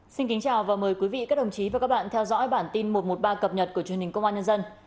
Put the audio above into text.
xin kính chào và mời quý vị các đồng chí và các bạn theo dõi bản tin một trăm một mươi ba cập nhật của truyền hình công an nhân dân